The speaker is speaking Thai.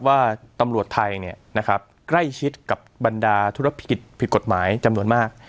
ว่าตำรวจไทยใกล้ชิดกับบรรดาธุรกิจผิดกฎหมายจำนวนมาก